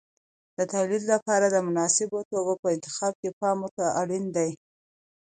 د تولید لپاره د مناسبو توکو په انتخاب کې پام ورته اړین دی.